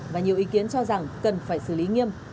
và nhiều ý kiến cho rằng cần phải xử lý nghiêm